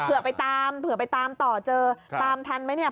เผื่อไปตามเผื่อไปตามต่อเจอตามทันไหมเนี่ย